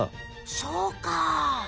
そうか。